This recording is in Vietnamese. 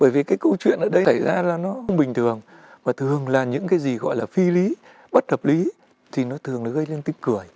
và thường là những cái gì gọi là phi lý bất hợp lý thì nó thường gây lên tiếng cười